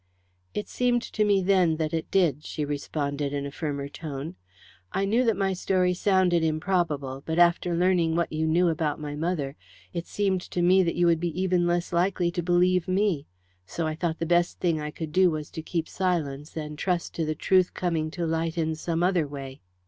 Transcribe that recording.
"It seemed to me then that it did," she responded in a firmer tone. "I knew that my story sounded improbable, but after learning what you knew about my mother it seemed to me that you would be even less likely to believe me, so I thought the best thing I could do was to keep silence, and trust to the truth coming to light in some other way."